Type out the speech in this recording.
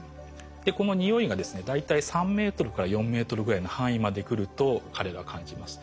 この匂いがですね大体３ｍから４ｍぐらいの範囲まで来ると彼らは感じます。